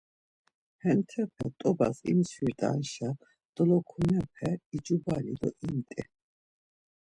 Hentepe t̆obas imçvirt̆anşa dolokunape incubali do imt̆i.